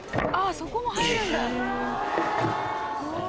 そこも入るんだ。